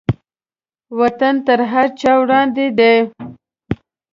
وطن تر هر چا وړاندې دی.